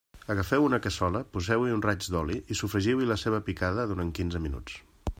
Agafeu una cassola, poseu-hi un raig d'oli i sofregiu-hi la ceba picada durant quinze minuts.